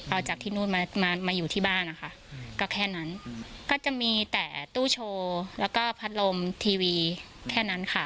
เอาจากที่นู่นมามาอยู่ที่บ้านนะคะก็แค่นั้นก็จะมีแต่ตู้โชว์แล้วก็พัดลมทีวีแค่นั้นค่ะ